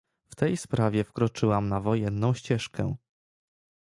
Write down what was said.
W tej sprawie wkroczyłam na wojenną ścieżkę